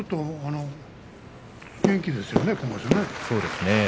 そうですね。